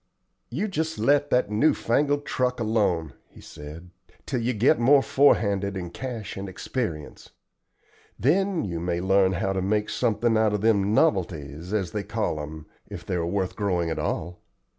"You jest let that new fangled truck alone," he said, "till you get more forehanded in cash and experience. Then you may learn how to make something out of them novelties, as they call 'em, if they are worth growing at all.